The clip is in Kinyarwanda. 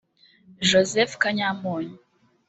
Joseph Kanyamunyu